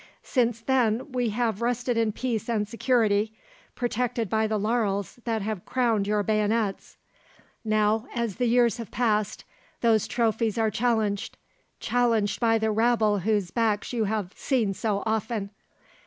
Since then we have rested in peace and security, protected by the laurels that have crowned your bayonets. Now, as the years have passed, those trophies are challenged, challenged by the rabble whose backs you have seen so often.